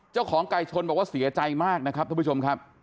เจ้าของไก่ชนบอกว่าเสียใจมากนะครับท่านผู้ชมครับ